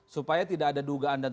supaya tidak ada dugaan dan